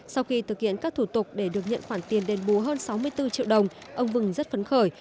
sau khi thực hiện các thủ tục để được nhận khoản tiền đền bù hơn sáu mươi bốn triệu đồng ông vừng rất phấn khởi